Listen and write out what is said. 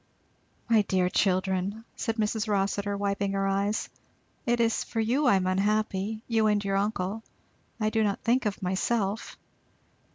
"My dear children!" said Mrs. Rossitur wiping her eyes, "it is for you I am unhappy you and your uncle; I do not think of myself."